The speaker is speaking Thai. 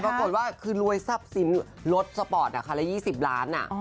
ปรากฏว่าคือรวยทรัพย์สินรถสปอร์ตคันละ๒๐ล้าน